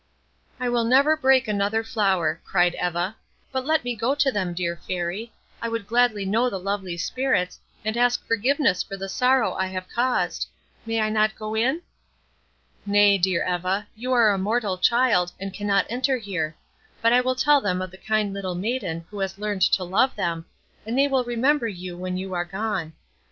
"I will never break another flower," cried Eva; "but let me go to them, dear Fairy; I would gladly know the lovely spirits, and ask forgiveness for the sorrow I have caused. May I not go in?" "Nay, dear Eva, you are a mortal child, and cannot enter here; but I will tell them of the kind little maiden who has learned to love them, and they will remember you when you are gone.